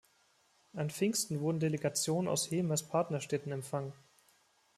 An Pfingsten wurden Delegationen aus Hemers Partnerstädten empfangen.